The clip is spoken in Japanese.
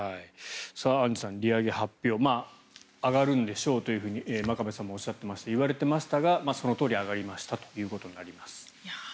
アンジュさん、利上げ発表上がるんでしょうと真壁さんもおっしゃってましたがいわれてましたがそのとおり上がりましたということになります。